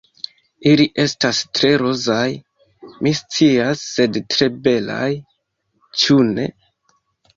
Ili estas tre rozaj, mi scias sed tre belaj, ĉu ne?